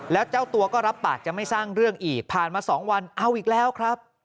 แล้วเจ้าตัวก็รับปากจะไม่สร้างเรื่องอีกผ่านมา๒วันเอาอีกแล้วครับ